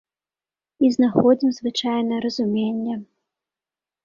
І знаходзім звычайна разуменне.